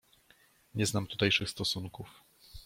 "Nie znam tutejszych stosunków."